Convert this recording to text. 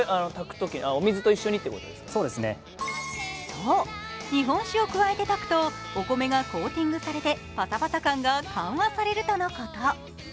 そう、日本酒を加えて炊くとお米がコーティングされてパサパサ感が緩和されるとのこと。